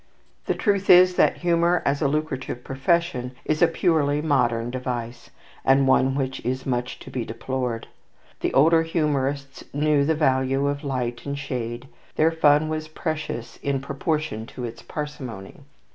The truth is that humour as a lucrative profession is a purely modern device, and one which is much to be deplored. The older humourists knew the value of light and shade. Their fun was precious in proportion to its parsimony.